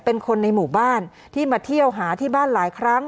เป็นคนในหมู่บ้านที่มาเที่ยวหาที่บ้านหลายครั้ง